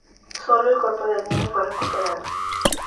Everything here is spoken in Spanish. Sólo el cuerpo del niño fue recuperado.